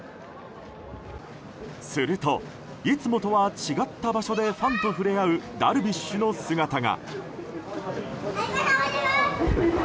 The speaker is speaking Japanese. するといつもとは違った場所でファンと触れ合うダルビッシュの姿が。